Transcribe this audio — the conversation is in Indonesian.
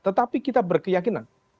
tetapi kita berkeyakinan